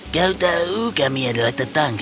kau tahu kami adalah tetangga